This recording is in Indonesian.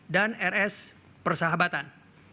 dan rs persahabatan